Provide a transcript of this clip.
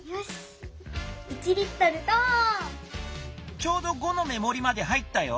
ちょうど５の目もりまで入ったよ。